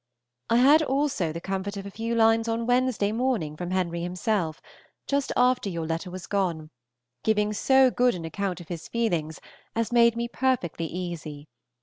I had also the comfort of a few lines on Wednesday morning from Henry himself, just after your letter was gone, giving so good an account of his feelings as made me perfectly easy.